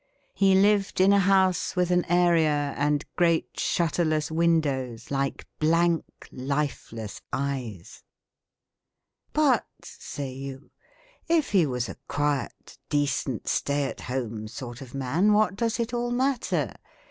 He lived in a house with an area and great shutterless windows like blank lifeless eyes. " But," say you, " if he was a quiet, decent, stay at home sort of man, what does it all matter?